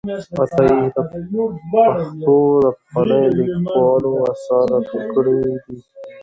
عطایي د پښتو د پخوانیو لیکوالو آثار راټول کړي دي.